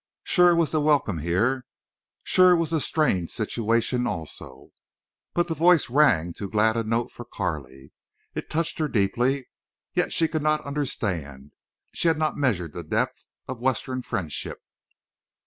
Sure was the welcome here. Sure was the strained situation, also, but the voice rang too glad a note for Carley. It touched her deeply, yet she could not understand. She had not measured the depth of Western friendship.